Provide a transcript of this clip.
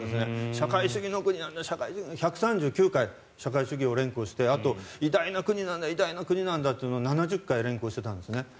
社会主義の国なんだ１３９回、社会主義を連発して偉大な国なんだ偉大な国なんだと７０回連呼していたんですね。